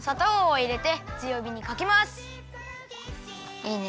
いいね。